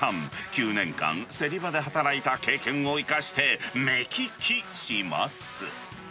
９年間、競り場で働いた経験を生かして、目利きします。